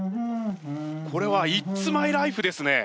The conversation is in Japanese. これは「イッツ・マイ・ライフ」ですね！